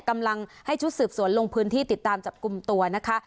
กำลังให้ชุดสืบสวนลงพื้นที่ติดตามจับกลุ่มตัวนะคะ